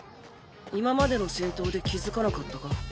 今までの戦闘で気付かなかったか？